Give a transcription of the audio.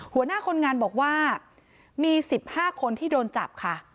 หัวหน้าคนงานบอกว่ามี๑๕คนที่โดนจับค่ะ